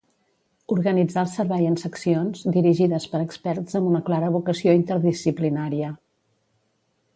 Organitzà el servei en seccions, dirigides per experts amb una clara vocació interdisciplinària.